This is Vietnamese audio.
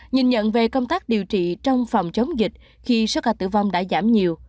nhìn nhận về công tác điều trị trong phòng chống dịch khi số ca tử vong đã giảm nhiều